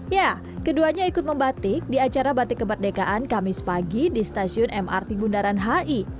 ya keduanya ikut membatik di acara batik kemerdekaan kamis pagi di stasiun mrt bundaran hi